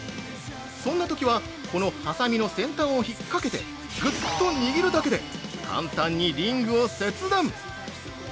そんなときは、このはさみの先端をひっかけてぐっと握るだけで簡単にリングを切断。